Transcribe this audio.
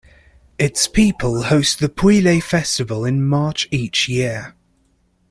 Its people host the Pujllay festival in March each year.